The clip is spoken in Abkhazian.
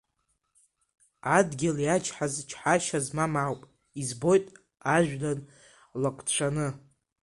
Адгьыл иачҳаз чҳашьа змам ауп, избоит ажәҩан лаҟәцәаны.